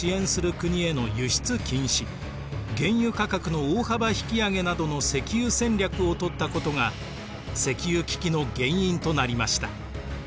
原油価格の大幅引き上げなどの石油戦略をとったことが石油危機の原因となりました。